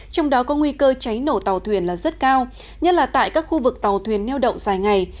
trong đó có nguy cơ cháy nổ tàu thuyền là rất cao nhất là tại các khu vực tàu thuyền neo đậu dài ngày